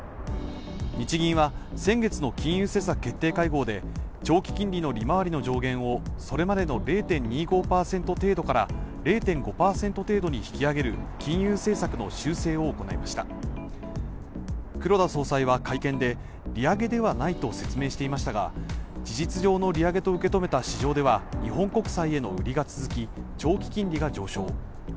日銀は先月の金融政策決定会合で長期金利の利回りの上限をそれまでの０．２５％程度から０．５％程度に引き上げる金融政策の修正を行いました黒田総裁は会見で利上げではないと説明していましたが事実上の利上げと受け止めた市場では日本国債への売りが続き長期金利が上昇